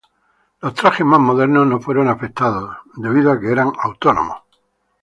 Los trajes más modernos no fueron afectados debido a que eran autónomos.